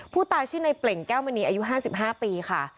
ผู้ตายชื่อในเปล่งแก้วมณีอายุ๕๕ปีค่ะ